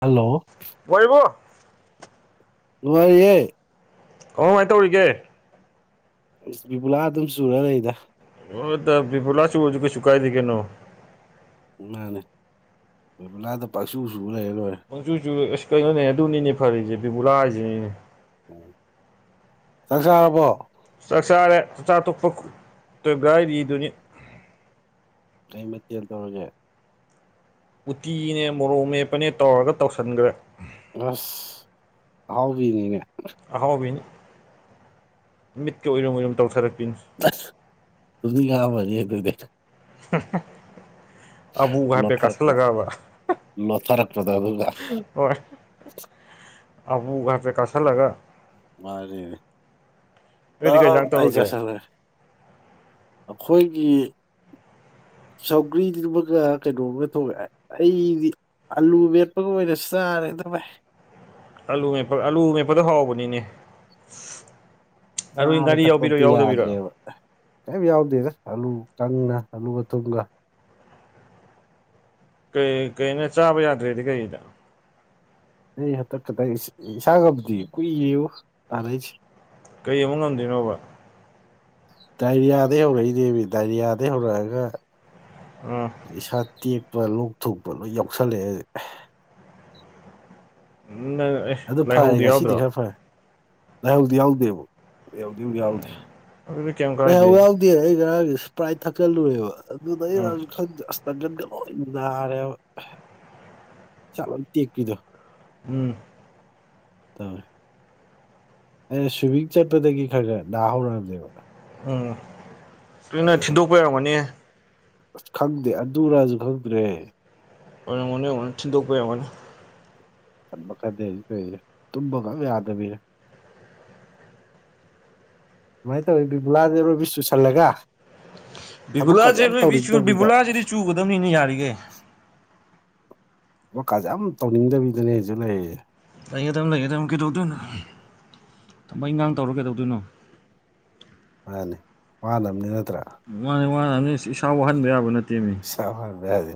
hello ꯋꯥꯔꯤꯕꯣ ꯅꯨꯡꯉꯔꯤꯌꯦ ꯑꯣ ꯀꯃꯥꯏꯅ ꯇꯧꯔꯤꯒꯦ ꯕꯤꯕꯨꯂꯥ ꯑꯗꯨꯝ ꯆꯨꯔ ꯂꯩꯗ ꯑꯣꯗ ꯄꯤꯄꯂꯁꯨꯖ ꯀꯩ ꯁꯨꯀꯥꯏꯗ ꯀꯩꯅꯣ ꯏ ꯃꯥꯅꯦ ꯃꯥꯏꯕꯂꯥꯗ ꯄꯥꯛꯁꯨ ꯁ ꯂꯩꯔ ꯂꫭꯏꯔꯦ ꯃꯪꯖꯨꯖꯨ ꯑꯁ ꯀꯩꯅꯣꯅꯦ ꯑꯗꯨꯅꯤꯅꯦ ꯐꯔꯤꯁꯦ ꯕꯦꯕꯨꯨꯂꯥ ꯍꯥꯏꯁꯤꯅꯤꯅꯦ ꯎ ꯆꯥꯛ ꯆꯥꯔꯕꯣ ꯆꯥꯛ ꯆꯥꯔꯦ ꯆꯥꯛ ꯆꯥ ꯇꫭꯛꯄ ꯒꯥꯔꯤ ꯔꯤꯗꯨꯅꯤ ꯀꯩ ꯃꯊꯦꯜ ꯇꯧꯔꯒꯦ ꯎꯇꯤꯅꯦ ꯃꯣꯔꯣꯛ ꯃꯦꯞꯄꯅꯦ ꯇꯧꯔꯒ ꯇꯧꯁꯟꯈ꯭ꯔꯦ ꯑꯁ ꯑꯍꯥꯎꯕꯤꯅꯤꯅꯦ ꯑꯍꯥꯎꯕꯤꯅꯤ ꯃꯤꯠꯀ ꯑꯣꯏꯔꯨꯝ ꯑꯣꯏꯔꯨꯝ ꯇꯧꯊꯔꯛꯄꯤꯅꯤ ꯑꯗꯨ [unintelligible] [inaudible] ꯑꯕꯨꯒ ꯍꯥꯏꯐꯦꯠ ꯂꯣꯠꯊꯔꯛꯄꯗ ꯀꯁꯤꯜꯂꯒꯕ ꯂꯣꯠꯊꯔꯛꯄꯗ ꯑꯗꯨꯒ ꯍꯣꯏ ꯑꯄꯨ ꯉꯥꯛꯇ ꯀꯥꯁꯜꯂꯒ ꯃꯥꯔꯦ ꯇ ꯅꯣꯏꯗꯤ ꯀꯩ ꯏꯟꯖꯥꯡ ꯇꯥꯏ ꯇꯧꯔꯒꯦ ꯆꯁꯒ ꯑꯩꯈꯣꯏꯒꯤ ꯁꯧꯒ꯭ꯔꯤꯗꯨ ꯑꯃꯒ ꯀꯩꯅꯣꯝꯒ ꯊꯣꯛꯂꯦ ꯑꯩꯗꯤ ꯑꯂꯨ ꯃꯦꯠꯄꯒ ꯑꯣꯏꯅꯁꯨ ꯆꯥꯔꯦ ꯑꯗꯨ ꯚꯥꯏ ꯑꯂꯨ ꯃꯠꯄ ꯑꯂꯨ ꯃꯦꯠꯄꯗ ꯍꯥꯎꯧꯕꯅꯤꯅꯦ ꯑꯔꯨ ꯉꯥꯔꯤ ꯌꯥꯎꯕꯤꯔꯣ ꯌꯥꯎꯗꯕꯤꯔꯣ ꯀꯔꯤꯝ ꯌꯥꯎꯗꯦꯗ ꯑꯂꯨ ꯀꯪꯅ ꯑꯂꯨꯒ ꯊꯨꯝꯒ ꯀꯩ ꯀꯩꯅ ꯆꯥꯕ ꯌꯥꯗ꯭ꯔꯦꯗꯤ ꯀꯩꯗ ꯑꯩ ꯍꯟꯇꯛ ꯈꯤꯇꯪ ꯏꯁꯥꯒꯕꯨꯗꯤ ꯀꯨꯏꯌꯦꯌꯨ ꯇꯥꯟꯅꯏꯁꯦ ꯀꯔꯤ ꯑꯃꯨꯛ ꯉꯝꯗꯣꯏꯅꯣꯕ ꯗꯥꯏꯔꯤꯌꯥꯗꯒꯤ ꯍꯧꯔꯛꯏꯅꯦꯕ ꯗꯥꯏꯔꯤꯌꯥꯗꯩ ꯍꯧꯔꯛꯑꯒ ꯎꯝ ꯏꯁꯥ ꯇꯦꯛꯄ ꯂꯣꯛ ꯊꯣꯛꯣꯛꯄ ꯂꯣꯏ ꯌꯥꯎꯁꯜꯂꯛꯑꯦ ꯎꯝ ꯑꯗꯨ ꯐꯔꯦ ꯉꯁꯤꯗꯤ ꯈꯔ ꯐꯔꯦ ꯂꯥꯏꯍꯧꯗꯤ ꯌꯥꯎꯗꯦꯕ ꯂꯩꯥꯏꯍꯧꯗꯤ ꯌꯥꯎꯗꯦ ꯑꯣ ꯂꯥꯏꯍꯥꯎ ꯌꯥꯎꯗꯦ ꯑꯩ ꯉꯔꯥꯡꯒꯤ ꯏꯁꯄ꯭ꯔꯥꯏꯠ ꯊꯛꯀꯜꯂꯨꯔꯦꯕ ꯑꯗꯨꯗ ꯎꯝ ꯑꯩ ꯈ ꯑꯁꯇꯒꯠꯒ ꯂꯣꯏ ꯅꯥꯔꯦ ꯏꯁꯥ ꯂꯣꯏ ꯇꯦꯛꯄꯤꯗꯣ ꯎꯝ [unintelligible] ꯑ ꯁ꯭ꯋꯤꯃꯤꯡ ꯆꯠꯄꯗꯒꯤ ꯈꯔ ꯈꯔ ꯅꯥ ꯍꯧꯔꯑꯅꯦꯕ ꯎꯝ ꯂꯣꯏꯅ ꯊꯤꯟꯗꯣꯛꯄꯩ ꯑꫭꯏꯔꯝꯒꯅꯤ ꯑꯁ ꯈꯪꯗꯦ ꯑꯗꯨ ꯅꯔꯁꯨ ꯈꯪꯗ꯭ꯔꯦ ꯑꯣꯏꯔꯝꯒꯅꯤ ꯑꫭꯏꯔꯝꯒꯅꯤ ꯊꯤꯟꯗꯣꯛꯄꯩ ꯑꫭꯏꯔꯝꯒꯅꯤ ꯈꯟ ꯃꯈ ꯈꯔꯗꯤ ꯑꯩ ꯀꯦ ꯇꯨꯝꯕꯒꯛ ꯑꯝ ꯌꯥꯗꯕꯤꯅꯦ ꯁꯃꯥꯏꯅ ꯇꯧꯋ ꯏ ꯕꯨꯂꯗꯔꯣꯕꯤꯁꯨꯨꯁꯜꯂꯒ ꯕꯤꯕꯨꯂꯥꯁꯦ ꯇꯧꯅꯤꯡꯗꯕꯤꯗ ꯕꯤꯕꯨꯂꯥꯁꯤꯗꯤ ꯆꯨꯒꯗꯕꯅꯤꯅ ꯌꯥꯔꯤꯈꯩ ꯋꯥꯀꯥꯁꯦ ꯌꯥꯝ ꯇꯧꯅꯤꯡꯗꯕꯤꯗꯅꯦꯁꯨ ꯂꯩꯔꯤꯁ ꯂꯩꯒꯗꯝꯕ ꯂꯩꯒꯗꯕ ꯀꯩꯗꯧꯗꯣꯏꯅꯣ ꯊꯕꯛ ꯏꯒꯥꯡ ꯇꯧꯔ ꯀꯩꯗꯧꯗꯣꯏꯅꯣ ꯃꯥꯅꯤ ꯋꯥꯅꯕꯅꯤ ꯅꯠꯇ꯭ꯔꯥ ꯃꯥꯅꯦ ꯃꯥꯅꯤ ꯏꯁꯥ ꯋꯥꯍꯟꯕ ꯌꯥꯕ ꯅꯠꯇꯦꯕꯅꯤ ꯥ ꯏꯁꯥ ꯍꯗ ꯌꯥꯗ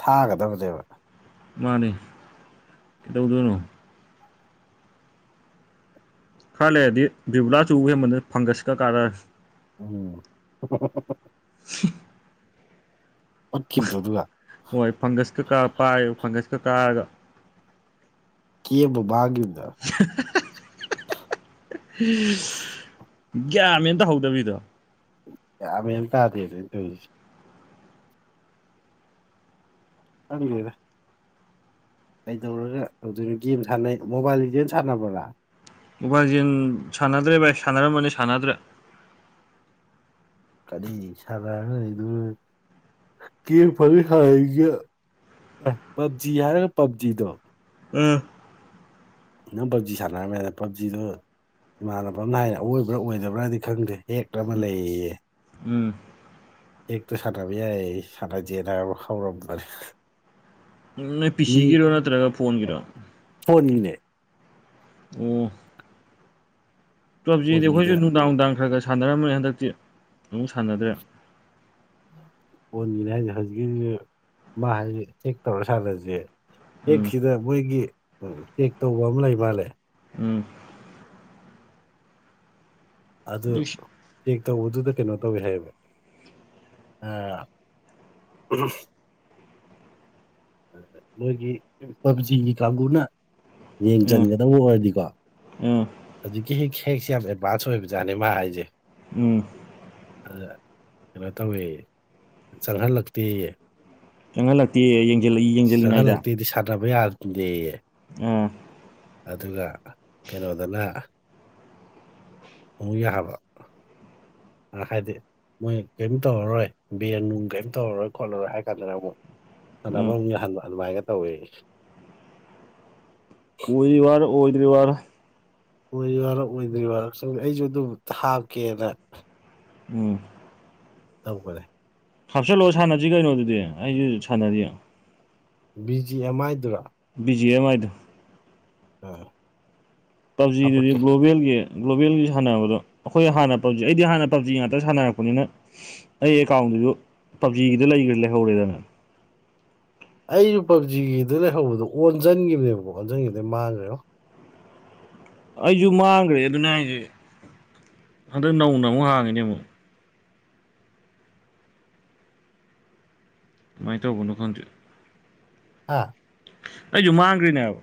ꯊꯥꯒꯗꯕꯅꯦꯕ ꯃꯥꯅꯦ ꯀꯩꯗꯧꯎꯗꫭꯏꯅꯣ ꯈꯔ ꯂꯩꯔꯗꯤ ꯕꯤꯕꯂꯥꯁꯨ ꯎ ꯍꯦꯟꯃꯟꯕ ꯐꯪꯒꯁꯀ ꯀꯥꯔꯔ [unintelligible] [unintelligible] ꯑꯣꯠꯈꯤꯕꯗꯣ ꯑꯗꯨꯒ ꯍꯣꯏ ꯐꯪꯒꯁꯀꯥ ꯀꯥꯔ ꯄꯥꯏ ꯐꯪꯒꯁꯀ ꯀꯥꯔꯒ ꯀꯦꯕꯨꯕꯥꯡꯒꯤ꯭ꯗ ꯒ꯭ꯌꯥꯟ ꯃꯦꯟ ꯇꯍꯧꯗꯕꯤꯗꯣ ꯌꯥꯝꯕꯦꯟ ꯑꯝ ꯇꯗꯦꯅꯦ ꯑꯩ ꯇꯧꯏꯁꯤ ꯍꯪꯗꯦ ꯗꯥ ꯀꯩꯗꯧꯔꯒ ꯇꯧꯗꯣꯏꯅꯣ ꯒꯦꯝ ꯁꯥꯟꯅꯩ ꯃꯣꯕꯥꯏꯜ ꯂꯤꯖꯦꯟ ꯁꯥꯟꯅꯕ꯭ꯔꯥ ꯃꯣꯕꯥꯏꯖꯦꯟ ꯁꯥꯟꯅꯗ꯭ꯔꯦ ꯚꯥꯏ ꯁꯥꯟꯅꯔꯝꯃꯅꯤ ꯁꯥꯟꯅꯗ꯭ꯔꯦ ꯀꯔꯤ ꯁꯥꯟꯅꯔꯒ ꯂꯩꯗꯨꯅꯣ ꯀꯦꯝ ꯐꯪꯉꯤ ꯁꯥꯅꯅꯤꯡꯖꯦ ꯑꯦ ꯄꯞꯖꯤ ꯍꯥꯏꯔꯒ ꯄꯞꯖꯤꯗꯣ ꯑꯥ ꯅꯪ ꯄꯞꯖꯤ ꯁꯥꯟꯅꯔꯝꯃꯦꯗ ꯄꯞꯖꯤꯗꯣ ꯏꯃꯥꯟꯅꯕ ꯑꯝꯅ ꯍꯥꯏꯅꯦ ꯑꯋꯣꯏꯕ꯭ꯔꯥ ꯑꯣꯏꯗꯕ꯭ꯔꯥꯗꯤ ꯈꯪꯗ꯭ꯔꯦ ꯍꯦꯛꯇ ꯑꯃ ꯂꯩꯌꯦ ꯎꯝ ꯑꯦꯛꯇꯣ ꯁꯥꯟꯅꯕ ꯌꯥꯥꯏꯌꯦ ꯁꯥꯟꯅꯖꯦ ꯅꯥꯕ ꯍꯥꯎꯔꯝꯃꯅꯦ ꯅꯣꯏ ꯄꯤꯁꯤꯒꯤꯔꯣ ꯅꯠꯇ꯭ꯔꯒ ꯐꯣꯟꯒꯤꯔꯣ ꯐꯣꯟꯒꯤꯅꯦ ꯑꯣ ꯄꯞ ꯖꯤꯗꯤ ꯑꯩꯈꯣꯏꯁꯨ ꯐꯣꯟꯒꯤꯗ ꯅꯨꯡꯗꯥꯡ ꯅꯨꯡꯗꯥꯡ ꯈꯔ ꯈꯔ ꯁꯥꯟꯅꯔꯝꯃꯅꯤ ꯍꯟꯗꯛꯇꯤ ꯑꯃꯨꯛ ꯁꯥꯟꯅꯗ꯭ꯔꯦ ꯐꯣꯟꯒꯤꯅꯦ ꯍꯥꯏꯁꯦ ꯍꯧꯖꯤꯛꯀꯤꯗꯨꯗꯤ ꯃꯥ ꯍꯥꯏꯁꯦ ꯑꯦꯛ ꯇꯧꯔ ꯁꯥꯟꯅꯁꯦ ꯎꯝ ꯑꯦꯛꯁꯤꯗ ꯃꯣꯏꯒꯤ ꯇꯦꯛ ꯇꯧꯕ ꯑꯃ ꯂꯩ ꯃꯥꯜꯂꯦ ꯎꯝ ꯑꯗꯨ ꯏꯁ ꯆꯦꯛ ꯇꯧꯕꯗꯨꯗ ꯀꯩꯅꯣ ꯇꯧꯋꯤ ꯍꯥꯏꯌꯦꯕ ꯑꯥ ꯃꯣꯏꯒꯤ ꯄꯞꯖꯤꯒꯤ ꯀꯥꯡꯒꯨꯅ ꯎꯝ ꯌꯦꯡꯖꯟꯒꯗꯕ ꯑꯣꯏꯔꯗꯤꯀꯣ ꯎꯝ ꯍꯧꯖꯤꯛꯀꯤ ꯍꯦꯛ ꯍꯦꯛꯁꯦ ꯌꯥꯝ ꯑꯦꯗꯚꯥꯟꯁ ꯑꯣꯏꯕꯖꯥꯠꯅꯦ ꯃꯥ ꯍꯥꯏꯖꯦ ꯎꯝ ꯑꯗꯨꯗ ꯀꯩꯅꯣ ꯇꯧꯋꯦꯌꯦ ꯆꯪꯍꯜꯂꯛꯇꯦꯌꯦ ꯆꯪꯍꯜꯂꯛꯇꯦ ꯌꯦꯡꯖꯤꯜꯂꯛꯏ ꯆꯪꯍꯜꯂꯛꯇꯦꯗꯤ ꯁꯥꯟꯅꯕ ꯌꯥꯍꯟꯗꯦꯌꯦ ꯑꯥ ꯑꯗꯨꯒ ꯀꯩꯅꯣꯗꯅ ꯑꯃꯨꯛ ꯌꯥꯕ ꯑ ꯍꯥꯏꯗꯤ ꯃꯣꯏ ꯀꯔꯤꯝ ꯇꯧꯔꯔꯣꯏ ꯕꯦꯟ ꯅꯨꯡ ꯀꯔꯤꯝ ꯇꯧꯔꯔꯣꯏ ꯈꯣꯠꯂꯔꯣꯏ ꯍꯥꯏ ꯀꯥꯟꯗꯅ ꯑꯃꯨꯛ ꯁꯥꯟꯅꯕ ꯑꯥ ꯑꯃꯨꯛ ꯌꯥꯍꯟꯕ ꯑꯗꯨꯃꯥꯏꯒ ꯇꯧꯋꯦꯌꯦ ꯑꯣꯏꯔꯤ ꯋꯥꯔ ꯑꯣꯏꯗꯔꯤ ꯋꯥꯔ ꯑꯣꯏꯔꯤ ꯋꯥꯔ ꯑꯣꯏꯗ꯭ꯔꯤ ꯋꯥꯔ ꯁꯨꯝ ꯑꯩꯖꯨ ꯑꯗꯨꯝ ꯍꯥꯞꯀꯦꯅ ꯎꯝ ꯇꯧꯕꯅꯦ ꯍꯥꯞꯆꯜꯂꯣ ꯁꯥꯟꯅꯖꯤ ꯀꯩꯅꯣ ꯑꯗꯨꯗꯤ ꯑꯩꯁꯨ ꯁꯥꯟꯅꯔꯤ ꯕꯤ ꯖꯤ ꯑꯦꯝ ꯑꯥꯏꯗꯨꯔꯥ ꯕꯤ ꯖꯤ ꯑꯦꯝ ꯑꯥꯏ ꯗꯨ ꯑꯥ ꯄꯞꯖꯤꯗꯨꯗꯤ ꯍꯥꯄꯛꯀꯦ ꯒ꯭ꯂꯣꯕꯦꯜꯒꯤ ꯒ꯭ꯂꯣꯕꯦꯜꯒꯤ ꯁꯥꯟꯅꯕꯗꯣ ꯑꯩꯈꯣꯏ ꯍꯥꯟꯅ ꯄꯞꯖꯤ ꯑꯩꯗꯤ ꯍꯥꯟꯅ ꯄꯞꯖꯤ ꯉꯥꯛꯇ ꯁꯥꯟꯅꯔꯛꯄꯅꯤꯅ ꯑꯩ ꯑꯦꯀꯥꯎꯟꯗꯨꯖꯨ ꯄꯞꯖꯤꯒꯤꯗ ꯂꯩꯈ꯭ꯔꯦ ꯂꯩꯍꯧꯔꯦꯗꯅ ꯑꯩꯖꯨ ꯄꯞꯖꯤꯒꯤꯗ ꯂꯩꯍꯧꯕꯗꯣ ꯑꯣꯟꯖꯟꯒꯤꯕꯅꯦꯕꯀꯣ ꯑꯣꯟꯖꯟꯒꯤꯕꯗꯩ ꯃꯥꯡꯒꯔꯦꯉꯣ ꯑꯩꯖꯨ ꯃꯥꯡꯒ꯭ꯔꯦ ꯑꯗꯨꯅꯦ ꯍꯥꯏꯖꯦ ꯍꯟꯗꯛ ꯅꯧꯅ ꯑꯃꯨꯛ ꯍꯥꯡꯉꯤꯅꯦ ꯑꯃꯨꯛ ꯀꯃꯥꯏ ꯇꯧꯕꯅꯣ ꯈꯪꯗꯦ ꯑꯥ ꯑꯩꯁꯨ ꯃꯥꯡꯈ꯭ꯔꯤꯅꯦꯕ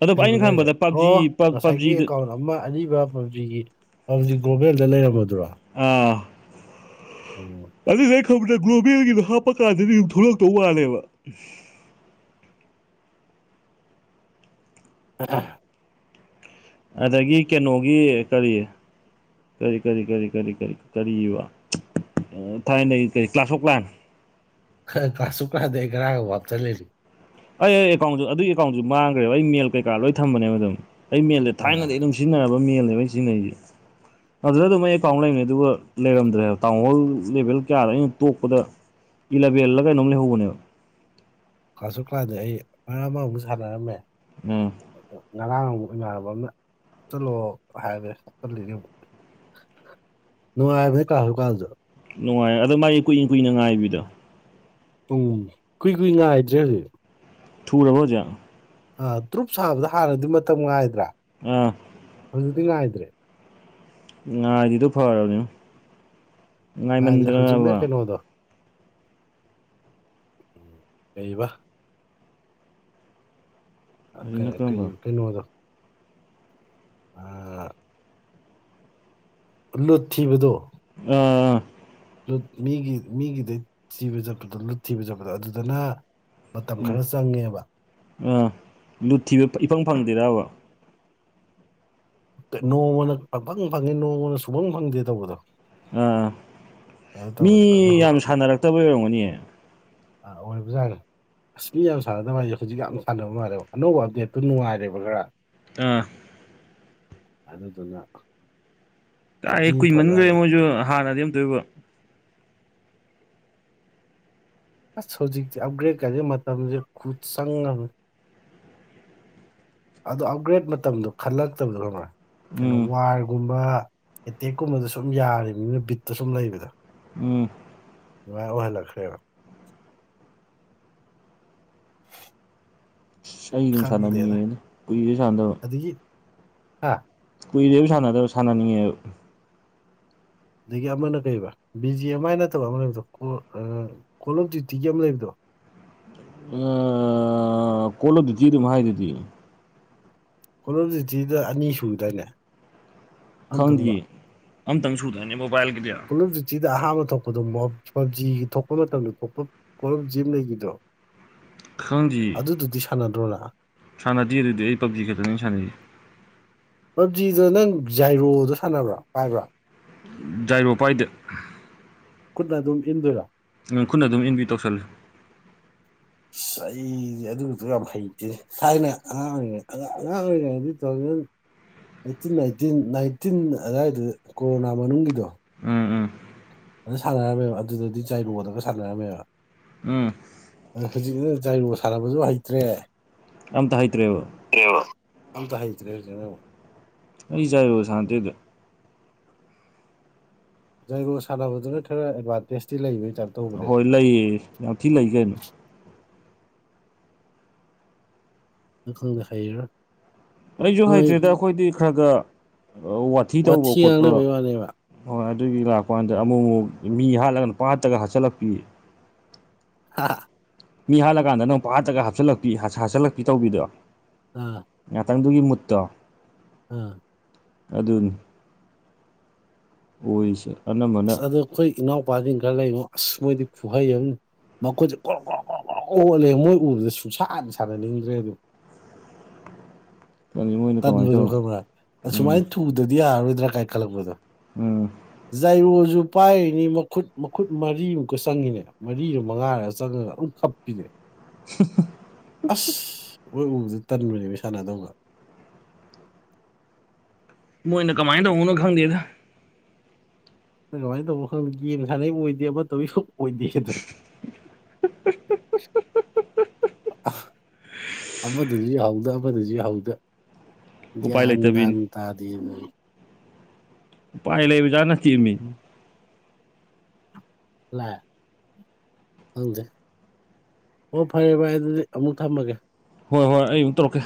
ꯑꯗꯣ ꯑꯩꯅ ꯀꯔꯤꯕꯅꯣ ꯍꯥꯏꯖꯦ ꯈꯟꯕꯗ ꯑꯣ ꯄꯞꯖꯤ ꯉꯁꯥꯏꯒꯤ ꯄꯞꯖꯤꯗ ꯑꯦꯀꯥꯎꯟ ꯑꯃ ꯑꯔꯤꯕ ꯄꯝꯖꯤꯒꯤ ꯄꯝꯖꯤ ꯒ꯭ꯂꯣꯕꯦꯜꯗ ꯂꯩꯔꯝꯃꯗ꯭ꯔꯣ ꯑꯥ ꯑꯗꯨꯦ ꯒ꯭ꯂꯣꯕꯦꯜꯒꯤꯗꯣ ꯍꯥꯞꯄ ꯀꯥꯟꯗꯗꯤ ꯑꯗꯨꯝ ꯊꯣꯛꯂꯛꯇꯧ ꯋꯥꯂꯦꯕ ꯑ ꯑꯗꯒꯤ ꯀꯩꯅꯣꯒꯤ ꯀꯔꯤ ꯀꯔꯤ ꯀꯔꯤ ꯀꯔꯤ ꯀꯔꯤ ꯀꯔꯤ ꯀꯔꯤ ꯊꯥꯏꯅꯗꯒꯤ ꯀꯔꯤ ꯀ꯭ꯂꯥꯁ ꯑꯣꯣꯛ ꯂꯥꯏꯝ ꯀꯁꯨ ꯀꯗꯦ ꯈꯔꯑꯒ ꯞ ꯆꯠꯂꯦꯔꯤ ꯑꯩ ꯑꯩ ꯑꯦꯀꯥꯎꯟꯁꯨ ꯑꯗꯨꯒꯤ ꯑꯦꯀꯥꯎꯟꯁꯨ ꯃꯥꯡꯈ꯭ꯔꯦꯕ ꯑꯩ ꯃꯦꯜ ꯀꯩꯀꯥ ꯂꯣꯏ ꯊꯝꯕꯅꯦꯕ ꯑꯗꯨꯝ ꯑꯩ ꯃꯦꯜꯗꯦ ꯊꯥꯏꯅꯗꯤ ꯑꯥ ꯑꯗꯨꯝ ꯁꯤꯖꯤꯅꯕ ꯃꯤꯂꯥꯏꯥꯏ ꯁꯤꯖꯤꯅꯥꯏ ꯑꯗꯨꯗ ꯑꯗꯨꯝ ꯑꯩ ꯑꯦꯀꯥꯎꯟ ꯂꯩꯅꯤꯩ ꯑꯗꯨꯒ ꯂꯩꯔꯝꯗ꯭ꯔꯦꯕ ꯇꯥꯎꯟ ꯍꯣꯜ ꯂꯦꯚꯦꯜ ꯀꯌꯥꯗ ꯑꯩꯅ ꯇꯣꯛꯄꯗ ꯏꯂꯕꯤꯦꯜꯂꯒꯥꯏꯅꯕꯝ ꯂꯩ ꯍꯧꯕꯅꯦꯕ ꯀ꯭ꯂꯥꯁꯁꯨ ꯀ꯭ꯂꯥꯁꯗ ꯑꯩ ꯑꯔꯕ ꯑꯃꯨꯛ ꯁꯥꯟꯅꯔꯝꯃꯦ ꯎꯝ ꯉꯔꯥꯡ ꯑꯃ ꯏꯃꯥꯟꯅꯕ ꯑꯃꯅ ꯆꯠꯂꯛꯑꯣ ꯍꯥꯏꯔꯦ ꯆꯠꯂꯤꯅꯦ ꯅꯨꯡꯉꯥꯏꯕꯅꯦ ꯀꯥꯁꯨ ꯀꯥꯟꯁꯨ ꯅꯨꯡꯉꯥꯏ ꯑꯗꯣ ꯃꯥꯒꯤ ꯀꯨꯏꯅ ꯀꯨꯏꯅ ꯉꯥꯏꯕꯤꯗꯣ ꯎꯝ ꯀꯨꯏ ꯀꯨꯏ ꯉꯥꯏ ꯍꯥꯏꯗ꯭ꯔꯦ ꯍꯧꯖꯤꯛ ꯊꯨꯔꯕꫭ ꯍꯧꯖꯤꯛ ꯑ ꯗ꯭ꯔꯨꯞ ꯁꯥꯕꯗ ꯍꯥꯟꯅꯗꯤ ꯃꯇꯝ ꯉꯥꯏꯗ꯭ꯔꯥ ꯑꯥ ꯍꯧꯖꯤꯛꯇꯤ ꯉꯥꯏꯗ꯭ꯔꯦ ꯉꯥꯏꯗꯤꯗꯨ ꯐꯔꯕꯅꯤ ꯉꯥꯏꯃꯟꯗꯅꯅꯕ ꯂꯩꯕ ꯀ ꯍꯧꯖꯤꯛꯅ ꯀꯔꯝꯕ ꯀꯩꯅꯣꯗꯣ ꯑ ꯂꯨꯠꯕꯗꯣ ꯑ ꯂꯨꯠ ꯃꯤꯒꯤ ꯃꯤꯒꯤꯗꯩ ꯆꯤꯕ ꯆꯠꯄꯗꯣ ꯂꯨꯠ ꯊꯤꯕ ꯆꯠꯄꯗꯣ ꯑꯗꯨꯗꯅ ꯃꯇꯝ ꯎꯝ ꯈꯔ ꯆꯪꯉꯦꯕ ꯑꯥ ꯂꯨꯠꯊꯤꯕ ꯏꯐꯪ ꯐꯪꯗꯦꯔꯕ ꯅꯣꯡꯃꯅ ꯄꯪꯐꯪ ꯐꯪꯉꯦ ꯅꯣꯡꯃꯗ ꯁꯨꯕꯪ ꯐꯪꯗꯦ ꯇꯧꯕꯗꯣ ꯑꯥ ꯑꯗꯨ ꯃꯤ ꯇꯧꯋꯦꯕ ꯑꯗꯨ ꯌꯥꯝ ꯁꯥꯟꯅꯔꯛꯇꯕꯩ ꯑꯣꯏꯔꯝꯒꯅꯤ ꯑꯥ ꯑꯣꯏꯕꯖꯥꯔꯦ ꯑꯁꯅꯤ ꯌꯥꯝ ꯁꯥꯟꯅꯗꯕ ꯃꯥꯁꯦ ꯍꯧꯖꯤꯛ ꯌꯥꯝ ꯁꯥꯟꯅꯕ ꯃꯥꯜꯂꯦꯕ ꯑꯅꯧꯕ ꯑꯞꯗꯦꯠꯇꯣ ꯅꯨꯡꯉꯥꯏꯔꯦꯕ ꯈꯔ ꯑꯥ ꯑꯗ ꯑꯗꯨꯅ ꯇꯥꯏ ꯀꯨꯏ ꯃꯈ꯭ꯔꯦ ꯃꯣꯏꯁꯨ ꯍꯥꯟꯅꯗꯤ ꯑꯃꯝ ꯇꯣꯏꯕ ꯑꯁ ꯍꯧꯖꯤꯛꯇꯤ ꯑꯞꯒ꯭ꯔꯦꯗ ꯀꯗ ꯃꯇꯝꯁꯦ ꯈꯨꯠ ꯆꯪ ꯑꯃꯥ ꯑꯗꯣ ꯑꯞꯒ꯭ꯔꯦꯗ ꯃꯇꯝꯗꯣ ꯈꯜꯂꯛꯇꯕꯗꯣ ꯀꯔ ꯀꯩꯅꯣ ꯎꯝ ꯋꯥꯔꯒꯨꯝꯕ ꯑꯦꯇꯦꯛꯀꯨꯝꯕꯗ ꯁꯨꯝ ꯌꯥꯔꯤꯕꯅꯤꯅ ꯕꯤꯠꯇ ꯁꯨꯝ ꯂꯩꯕꯗꯣ ꯎꯝ ꯃ ꯑꯣꯍꯦꯂꯛ ꯈ꯭ꯔꯦꯔ ꯑꯁ ꯑꯩ ꯑꯗꯨꯝ ꯈꯪꯗꯦꯗ ꯁꯥꯟꯅꯅꯤꯡꯉꯦꯅ ꯀꯨꯏꯔꯦ ꯁꯥꯟꯅꯗꯕ ꯑ ꯀꯨꯏꯔꯦꯕꯨ ꯁꯥꯟꯅꯗꯕ ꯁꯥꯟꯅꯅꯤꯡꯉꯦ ꯑꯗꯒꯤ ꯑꯃꯅ ꯀꯩꯕ ꯕꯤ ꯖꯤ ꯑꯦꯝ ꯑꯥꯏ ꯅꯠꯇꯕ ꯑꯃ ꯂꯩꯕꯗꯣ ꯀꯣꯜ ꯑꯣꯐ ꯗ꯭ꯌꯨꯇꯤꯒꯤ ꯑꯃ ꯂꯩꯕꯗꯣ ꯀꯣꯂꯣꯗꯨꯗꯤ ꯑꯗꯨꯃ ꯍꯥꯏ ꯑꯗꯨꯗꯤ ꯀꯂꯣꯖꯤꯛꯇꯤꯗ ꯑꯅꯤ ꯁꯨꯕꯗꯅꯦ ꯈꯪꯗꯦ ꯑꯝꯇꯪ ꯁꯨꯗꯅꯤ ꯃꯣꯕꯥꯏꯜꯒꯤꯗꯤ ꯀꯣꯠꯑꫭꯐꯗꯨꯇꯤꯗ ꯑꯍꯥꯟꯕ ꯊꯣꯛꯄꯗꯣ ꯃꯞ ꯄꯨꯖꯤꯒꯤ ꯊꯣꯛꯄ ꯃꯇꯝꯗ ꯊꯣꯛꯄ ꯄꯣꯠꯂꯝꯁꯤ ꯑꯃ ꯂꯩꯈꯤꯗꯣ ꯈꯪꯗꯤꯌꯦ ꯑꯗꯨꯗꯨꯗꯤ ꯁꯥꯟꯅꯗ꯭ꯔꯣ ꯅꯪ ꯁꯥꯟꯅꯗꯦ ꯑꯗꯨꯗꯤ ꯑꯩ ꯄꯞꯖꯤ ꯈꯛꯇꯅꯤ ꯁꯥꯟꯅꯩ ꯄꯕꯖꯤꯗꯣ ꯅꯪ ꯖꯥꯏꯔꯣꯗꯣ ꯁꯥꯟꯅꯕ꯭ꯔꯥ ꯄꯥꯏꯕ꯭ꯔꯥ ꯖꯥꯏꯔꫭ ꯄꯥꯏꯗꯦ ꯈꯨꯠꯅ ꯑꯗꯨꯝ ꯏꯟꯗꯣꯏꯔꯥ ꯑꯥ ꯈꯨꯠꯟꯅ ꯑꯗꯨꯝ ꯏꯟꯕꯤ ꯇꯧꯁꯜꯂꯨ INAUDIBLE ꯑꯩꯗꯤ ꯑꯗꯨꯛꯇ ꯌꯥꯝ ꯍꯩꯇꯦ ꯊꯥꯏꯅ ꯑꯉꯥꯡ ꯑꯣꯏꯔꯤꯉꯩ ꯑꯉꯥꯡ ꯑꯣꯏꯔꯤꯉꯩꯗꯤ ꯇꯧꯊꯧꯖꯥꯜ ꯑꯥꯏꯇꯤꯟ ꯑꯥꯏꯇꯤꯟ ꯅꯥꯏꯟꯇꯤꯟ ꯑꯗꯨꯋꯥꯏꯗ ꯀꯣꯔꯣꯅꯥ ꯃꯅꯨꯡꯒꯤꯗꯣ ꯎꯝ ꯎꯝ ꯑꯗꯨ ꯁꯥꯟꯅꯔꯝꯃꯦꯕ ꯑꯗꯨꯗꯗꯤ ꯖꯥꯏꯔꯣꯗꯒ ꯁꯥꯟꯅꯔꯝꯃꯦꯕ ꯎꯝ ꯑ ꯍꯧꯖꯤꯛꯅ ꯖꯥꯏꯔꯨ ꯁꯥꯟꯅꯕꯁꯨ ꯍꯩꯇ꯭ꯔꯦ ꯑꯝꯇ ꯍꯩꯇ꯭ꯔꯦꯕ ꯑꯃꯇꯥ ꯍꯥꯏꯇꯦ ꯍꯧꯖꯤꯛꯅꯥ ꯑꯃꯨꯛ ꯑꯩ ꯖꯥꯏꯕꯣ ꯁꯥꯟꯅꯗꯦꯗ ꯖꯩꯒꯣ ꯁꯥꯟꯅꯕꯗꯨꯅ ꯈꯔ ꯑꯦꯗꯚꯥꯟꯇꯦꯖꯇꯤ ꯂꯩꯕꯥꯅꯤ ꯍꯣꯏ ꯂꯩꯌꯦ ꯌꯥꯝ ꯊꯤꯅ ꯂꯩ ꯀꯩꯅꯣ ꯑꯗꯨ ꯈꯪꯗꯦ ꯍꯥꯏꯔꯣ ꯑꯩꯁꯨ ꯍꯩꯇ꯭ꯔꯦꯗ ꯑꯩꯈꯣꯏꯗꯤ ꯈꯔꯒ ꯋꯥꯊꯤ ꯇꯧꯕ ꯈꯣꯠꯄ ꯉꯥꯡꯅꯕꯩ ꯋꯥꯅꯦꯕ ꯍꯣꯏ ꯑꯗꯨꯒꯤ ꯂꯥꯛꯄꯥꯟꯄ ꯑꯃꯨꯛ ꯑꯃꯨꯛ ꯃꯤ ꯍꯥꯠꯂꯒꯅꯄꯥꯠꯇꯒ ꯍꯥꯠꯆꯤꯜꯂꯛꯄꯤ [unintelligible] ꯃꯤ ꯍꯥꯜꯂꯀꯥꯟꯗ ꯅꯪ ꯄꯥꯠꯇꯒ ꯍꯥꯞꯆꯤꯜꯂꯛꯄꯤ ꯍꯥꯆꯜꯂꯛꯄꯤ ꯇꯧꯕꯤꯗꯣ ꯑꯥ ꯉꯥꯛꯇꯪꯗꯨꯒꯤ ꯃꯨꯠꯇꯣ ꯑꯥ ꯑꯗꯨꯅꯤ ꯑꯣꯏꯁꯦ ꯑꯁ ꯑꯗꯣ ꯑꯩꯈꯣꯏ ꯏꯅꯥꯎꯄꯥꯗꯤ ꯈꯔ ꯂꯩꯔꯤꯉꯣ ꯑꯁ ꯃꯣꯏꯗꯤ ꯈꯨꯍꯩ ꯑꯃꯥꯅꯤ ꯃꯈꯣꯏꯁꯦ ꯀ꯭ꯔꯣꯛ ꯀ꯭ꯔꯣꯛ ꯀ꯭ꯔꯣꯛ ꯑꯣꯠꯂꯦ ꯃꯣꯏ ꯎꯕꯗ ꯁꯨꯡꯁꯥꯟꯅ ꯁꯥꯥꯟꯅꯅꯤꯡꯗ꯭ꯔꯦ ꯑꯗꯨ ꯈꯪꯗꯦ ꯃꯣꯏꯅ ꯀꯃꯥꯏꯅ ꯇꯥꯟꯕꯗꫭ ꯇꯧ ꯈꯪꯕꯔꯥ ꯑꯁꯨ ꯎꯝ ꯃꯥꯏ ꯄꯨꯗꯗꯤ ꯌꯥꯔꯣꯏꯗ꯭ꯔꯥ ꯀꯥꯏ ꯈꯜꯂꯛꯄꯗꯣ ꯎꯝ ꯖꯥꯏꯔꯣꯁꯨ ꯄꯥꯏꯔꯤꯅꯤ ꯃꯈꯨꯠ ꯃꯈꯨꯠ ꯃꯔꯤꯃꯨꯛꯀ ꯆꯪꯉꯤꯅꯦ ꯃꯔꯤꯔꯥ ꯃꯉꯥꯔꯒ ꯆꯪꯉꯒ ꯑꯗꯨꯝ ꯀꯞꯄꯤꯅꯦ ꯑꯁ ꯃꫭꯏ ꯎꯕꯗ ꯇꯟꯕꯅꯦꯕ ꯁꯥꯟꯅꯗꯨꯒ ꯃꯣꯏꯅ ꯀꯃꯥꯏꯅ ꯇꯧꯅꯣ ꯈꯪꯗꯦꯗ ꯑꯩꯈꯣꯏ ꯀꯃꯥꯏꯅ ꯇꯧꯕ ꯈꯪꯗꯦ ꯌꯦꯟ ꯁꯥꯟꯅꯩ ꯑꯣꯏꯗꯦ ꯑꯃ ꯇꯧꯔꯤ ꯁ ꯑꯣꯏꯗꯦꯗꯅ [inaudible] ꯑꯃꯗꯁꯨ ꯌꯥꯍꯧꯗ ꯑꯃꯗꯁꯨ ꯌꯥꯍꯧꯗ ꯎꯄꯥꯏ ꯒꯌ꯭ꯥꯟ ꯃꯥꯟ ꯂꯩꯇꯕꯤꯅꯤ ꯇꯥꯗꯤ ꯎꯄꯥꯏ ꯂꯩꯕꯖꯥꯅꯁꯤ ꯅꯠꯇꯦꯃꯤ ꯂ ꯍꯪꯗꯦ ꯑꯣ ꯐꯔꯦ ꯕꯥꯏ ꯑꯗꯨꯗꯤ ꯑꯃꯨꯛ ꯊꯝꯃꯒꯦ ꯍꯣꯏ ꯍꯣꯏ ꯑꯩ ꯑꯃꯨꯛ ꯇꯧꯔꯛꯀꯦ